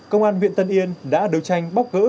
công an huyện tân yên đã đấu tranh bóc gỡ